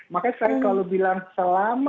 makanya saya selalu bilang selama anda masih aman